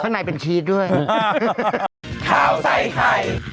ให้เยอะ